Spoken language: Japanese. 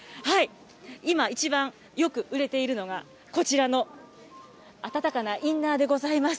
今、いちばんよく売れているのが、こちらの暖かなインナーでございます。